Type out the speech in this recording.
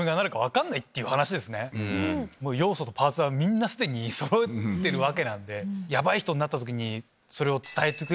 要素とパーツはみんな既にそろってるわけなんで。